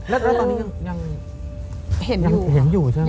แล้วตอนนี้ยังเห็นอยู่ใช่ไหม